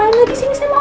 askaranya bisa juga